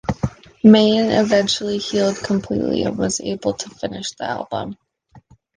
Meine eventually healed completely and was able to finish the album.